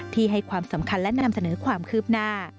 ให้ความสำคัญและนำเสนอความคืบหน้า